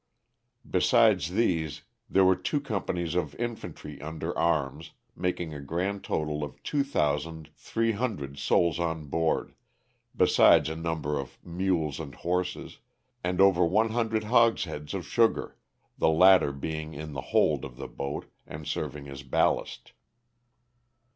Besides these there were two companies of infantry under arms, making a grand total of 2,300 souls on board, besides a number of mules and horses, and over one hundred hogsheads of sugar, the latter being in the hold of the boat and serving as ballast.